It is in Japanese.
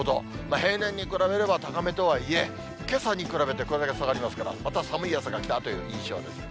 平年に比べれば高めとはいえ、けさに比べてこれだけ下がりますから、また、寒い朝が来たという印象です。